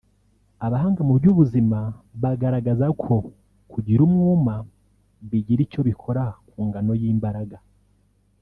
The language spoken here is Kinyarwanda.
Abahanga mu by’ubuzima bagaragaza ko kugira umwuma bigira icyo bikora ku ngano y’imbaraga